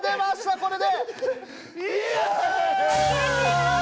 これで。